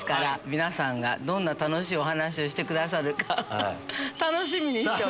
皆さんがどんな楽しいお話をしてくださるかフフっ。